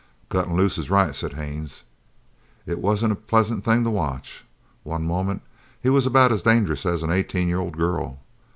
"Cutting loose is right," said Haines. "It wasn't a pleasant thing to watch. One moment he was about as dangerous as an eighteen year old girl.